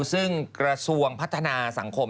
ซึ่งกระทรวงพัฒนาสังคม